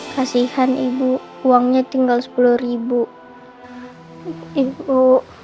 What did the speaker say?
kasihan ibu uangnya tinggal sepuluh ribu ibu